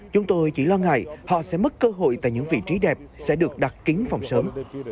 chúng tôi chỉ lo ngại họ sẽ mất cơ hội tại những vị trí đẹp sẽ được đặt kính phòng sớm